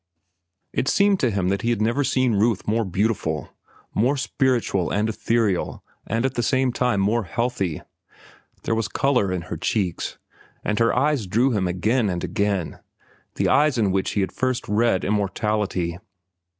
It seemed to him that he had never seen Ruth more beautiful, more spiritual and ethereal and at the same time more healthy. There was color in her cheeks, and her eyes drew him again and again—the eyes in which he had first read immortality.